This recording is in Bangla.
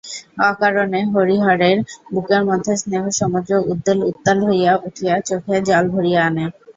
অকারণে হরিহরের বুকের মধ্যে স্নেহসমুদ্র উদ্বেল উত্তাল হইয়া উঠিয়া চোখে জল ভরিয়া আনে।